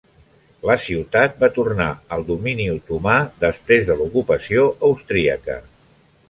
La ciutat va tornar al domini otomà després de l'ocupació austríaca.